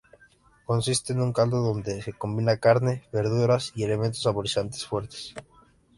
Consiste en un caldo donde se combina carne, verduras y elementos saborizantes fuertes.